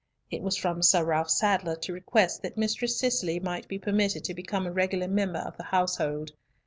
It was from Sir Ralf Sadler to request that Mistress Cicely might be permitted to become a regular member of the household.